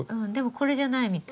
これじゃないみたい。